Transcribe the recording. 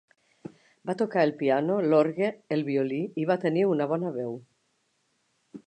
Va tocar el piano, l'orgue, el violí i va tenir una bona veu.